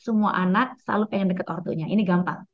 semua anak selalu ingin dekat orangtunya ini gampang